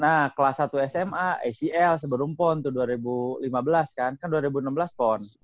nah kelas satu sma acl sebelum pon itu dua ribu lima belas kan kan dua ribu enam belas pon